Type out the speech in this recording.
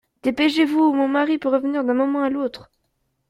Dépêchez-vous, mon mari peut revenir d’un moment à l’autre.